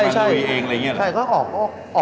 อยากจะมารุยเองอะไรอย่างนี้หรือ